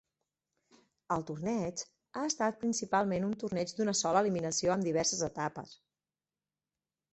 El torneig ha estat principalment un torneig d'una sola eliminació amb diverses etapes.